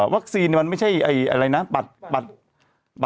วัคซีนมันไม่ใช่โรคตั้ง